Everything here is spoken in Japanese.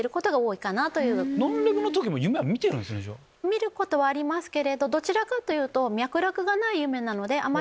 見ることはありますけれどどちらかというと。